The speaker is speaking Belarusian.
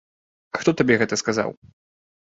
Хто табе гэта сказаў?